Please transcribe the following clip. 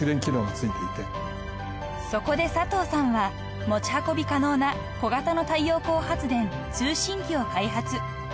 ［そこで佐藤さんは持ち運び可能な小型の太陽光発電通信機を開発］